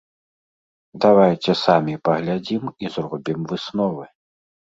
Давайце самі паглядзім і зробім высновы.